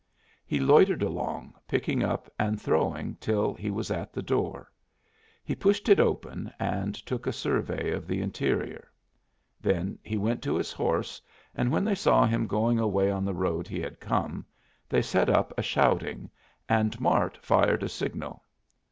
He loitered along, picking up and throwing till he was at the door. He pushed it open and took a survey of the interior. Then he went to his horse, and when they saw him going away on the road he had come, they set up a shouting, and Mart fired a signal.